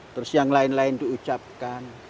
terus yang lain lain di ucapkan